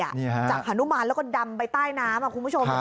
นี่ฮะจากฮานุมานแล้วก็ดำไปใต้น้ำคุณผู้ชม